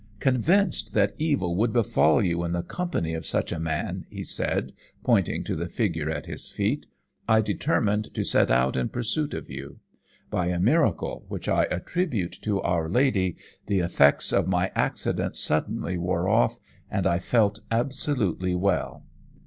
'Convinced that evil would befall you in the company of such a man,' he said, pointing to the figure at his feet, 'I determined to set out in pursuit of you. By a miracle, which I attribute to Our Lady, the effects of my accident suddenly wore off, and I felt absolutely well.